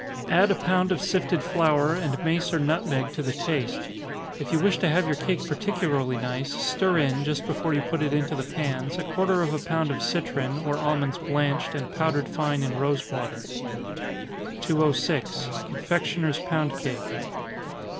Add a pound of sifted flour, and mace or nutmeg to the taste. If you wish to have your cake particularly nice, stir in, just before you put it into the pans, a quarter of a pound of citron, or almonds blanched, and powdered fine in rosewater. 206. _Confectioner's Pound Cake.